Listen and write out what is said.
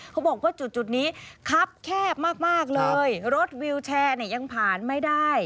เขาบอกว่าจุดจุดนี้ครับแคบมากมากเลยรถวิวแชร์เนี่ยยังผ่านไม่ได้